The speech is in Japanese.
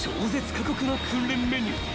過酷な訓練メニュー］